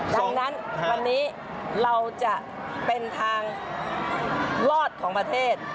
ดังนั้นวันนี้เราจะเป็นทางรอดของประเทศ